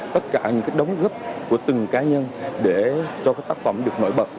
tất cả những cái đóng gấp của từng cá nhân để cho cái tác phẩm được nổi bật